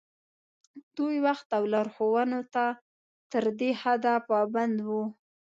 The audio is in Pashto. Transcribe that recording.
دوی وخت او لارښوونو ته تر دې حده پابند وو.